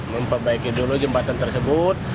memperbaiki dulu jembatan tersebut